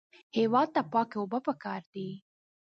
هېواد ته پاکې اوبه پکار دي